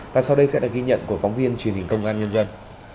và sau đây sẽ là ghi nhận của phóng viên truyền hình công an nhân dân